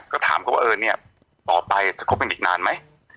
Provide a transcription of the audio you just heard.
ก็ถามเขาว่าเออเนี่ยต่อไปจะคบกันอีกนานไหม